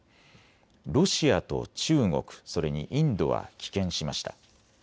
ロシアと中国、それにインドは棄権しました。